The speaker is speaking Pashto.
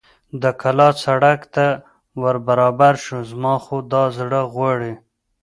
د کلا سړک ته ور برابر شو، زما خو دا زړه غواړي.